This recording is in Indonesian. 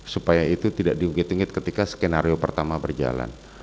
supaya itu tidak diunggit unggit ketika skenario pertama berjalan